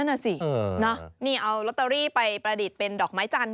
นั่นน่ะสินี่เอาลอตเตอรี่ไปประดิษฐ์เป็นดอกไม้จันทร์